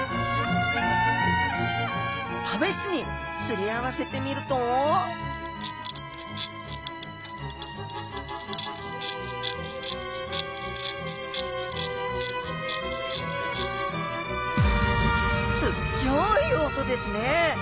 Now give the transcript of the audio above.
試しに擦り合わせてみるとすっギョい音ですね！